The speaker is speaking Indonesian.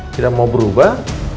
tidak mau berubah